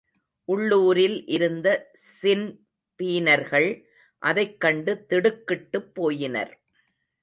உள்ளூரில் இருந்த ஸின்பீனர்கள் அதைக்கண்டு திடுக்கிட்டுப்போயினர்.